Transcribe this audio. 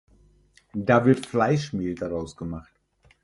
Da wird Fleischmehl daraus gemacht.